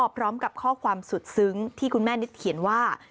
พร้อมกับข้อความสุดซึ้งที่คุณแม่นิดเขียนว่า